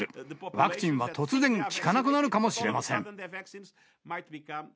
ワクチンは突然、効かなくなるかもしれません。